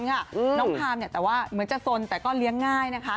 น้องพามแต่ว่าเหมือนจะสนแต่ก็เลี้ยงง่ายนะคะ